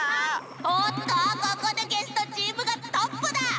おっとここでゲストチームがトップだ！